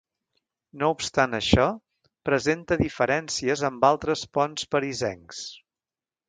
No obstant això, presenta diferències amb altres ponts parisencs.